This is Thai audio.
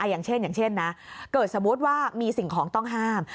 อย่างเช่นนะเกิดสมมติว่ามีสิ่งของต้องห้าม